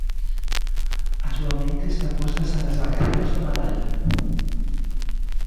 A súa mente está posta xa nas vacacións do Nadal.